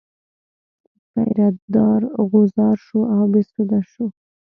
پیره دار غوځار شو او بې سده شو.